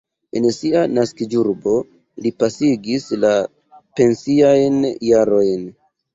En sia naskiĝurbo li pasigis la pensiajn jarojn.